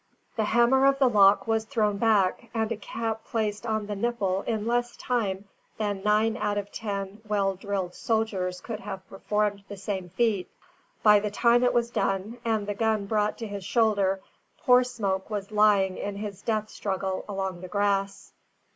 The hammer of the lock was thrown back and a cap placed on the nipple in less time than nine out of ten well drilled soldiers could have performed the same feat; but by the time it was done, and the gun brought to his shoulder, poor Smoke was lying in his death struggle along the grass.